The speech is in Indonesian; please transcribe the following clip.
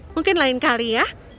mungkin lain kali ya